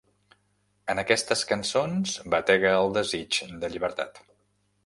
En aquestes cançons batega el desig de llibertat.